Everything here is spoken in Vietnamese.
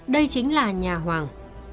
đây chính là nhà hoàng